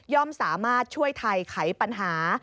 สามารถช่วยไทยไขปัญหา